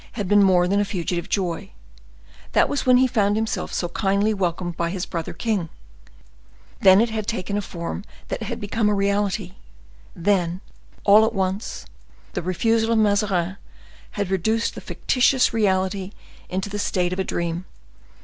had been more than a fugitive joy;—that was when he found himself so kindly welcomed by his brother king; then it had taken a form that had become a reality; then, all at once, the refusal of Mazarin had reduced the fictitious reality to the state of a dream.